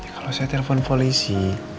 kalau saya telepon polisi